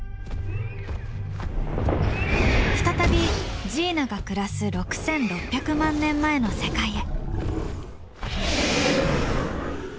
再びジーナが暮らす６，６００万年前の世界へ。